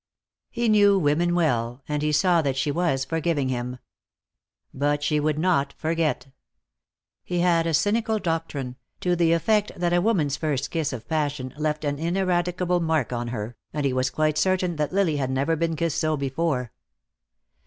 He knew women well, and he saw that she was forgiving him. But she would not forget. He had a cynical doctrine, to the effect that a woman's first kiss of passion left an ineradicable mark on her, and he was quite certain that Lily had never been so kissed before.